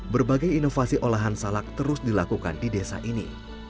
berbagai inovasi olahan salak terus dilakukan di desa ini